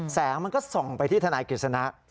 แสงมันก็ส่องไปที่ทนายกฤษณะ